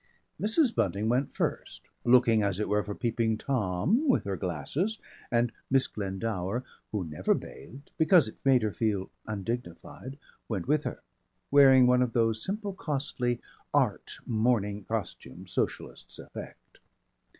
Mrs. Bunting went first, looking as it were for Peeping Tom with her glasses, and Miss Glendower, who never bathed because it made her feel undignified, went with her wearing one of those simple, costly "art" morning costumes Socialists affect.